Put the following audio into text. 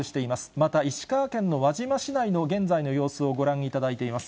また石川県の輪島市内の現在の様子をご覧いただいています。